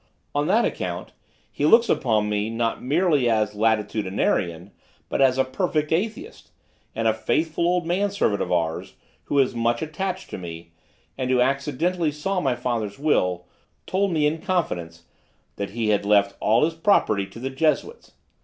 On that account he looks upon me, not merely as Latitudinarian, but as a perfect Atheist, and a faithful old manservant of ours, who is much attached to me, and who accidentally saw my father's will, told me in confidence that he had left all his property to the Jesuits.